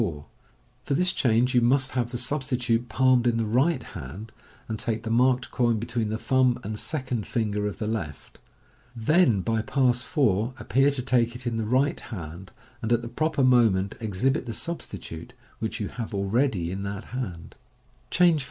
— For this change you must have the substitute palmed in the right hand, ar C take the marked coin between the thumb and second finger of the left. Then by Pass 4 appear to take it in the right hand, and at the proper moment exhibit the substitute, which you have already in that hand. Changb 5.